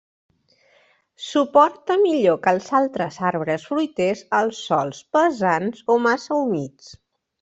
Suporta millor que els altres arbres fruiters els sòls pesants o massa humits.